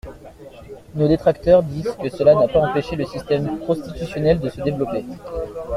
Nos détracteurs disent que cela n’a pas empêché le système prostitutionnel de se développer.